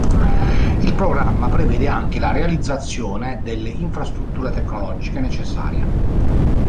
Il programma prevede anche la realizzazione delle infrastrutture tecnologiche necessarie.